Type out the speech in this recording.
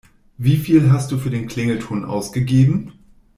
Wie viel hast du für den Klingelton ausgegeben?